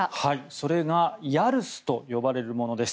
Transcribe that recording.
それがヤルスと呼ばれるものです。